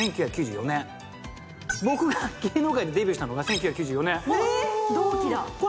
僕が芸能界にデビューしたのが１９９４年。